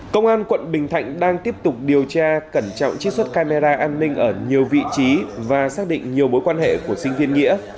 công an quận bình thạnh đang tiếp tục điều tra cẩn trọng chiếc xuất camera an ninh ở nhiều vị trí và xác định nhiều mối quan hệ của sinh viên nghĩa